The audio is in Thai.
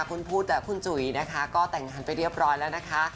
คุณพุทธคุณจุ๋ยนะคะก็แต่งงานไปเรียบร้อยแล้วนะคะ